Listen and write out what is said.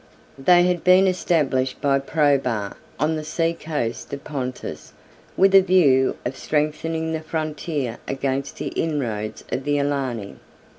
They had been established by Probus, on the sea coast of Pontus, with a view of strengthening the frontier against the inroads of the Alani.